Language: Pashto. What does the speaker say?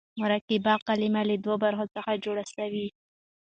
مرکبه کلمه له دوو برخو څخه جوړه سوې يي.